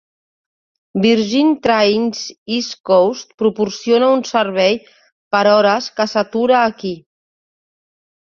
Virgin Trains East Coast proporciona un servei per hores que s'atura aquí.